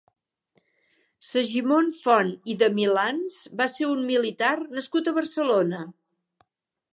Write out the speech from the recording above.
Segimon Font i de Milans va ser un militar nascut a Barcelona.